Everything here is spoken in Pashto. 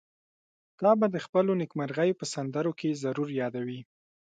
تا به د خپلو نېکمرغيو په سندرو کې ضرور يادوي.